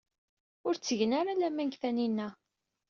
Ur ttgen ara laman deg Taninna.